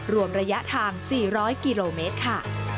รวมระยะทาง๔๐๐กิโลเมตรค่ะ